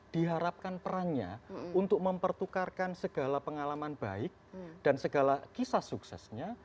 diharapkan perannya untuk mempertukarkan segala pengalaman baik dan segala kisah suksesnya